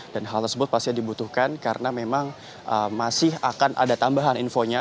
dan hal tersebut pasti dibutuhkan karena memang masih akan ada tambahan infonya